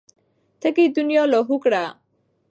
تږې دنيا لاهو کړه.